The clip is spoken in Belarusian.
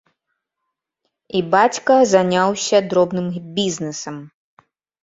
І бацька заняўся дробным бізнэсам.